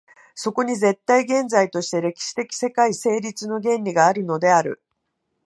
そこに絶対現在として歴史的世界成立の原理があるのである。